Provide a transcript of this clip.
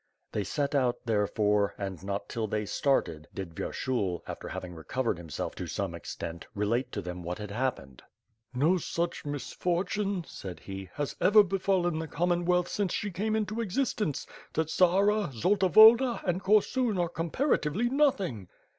They set out, therefore, and, not till they started, did 5o8 WITH FIRE AND SWORD. Vyershul, after having recovered himself to some extent, re late to them what had happened. "Xo such misfortune/' said he, "has ever befallen the Commonwealth since she came into existence; Tsetsara, Zolta Woda, and Korsun are comparatively nothing!'